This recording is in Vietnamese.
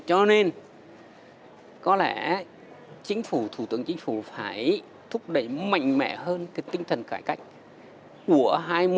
cho nên có lẽ chính phủ thủ tướng chính phủ phải thúc đẩy mạnh mẽ hơn cái tinh thần cải cách của hai nghìn một mươi tám hai nghìn một mươi bảy